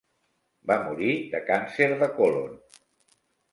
Va morir de càncer de colon.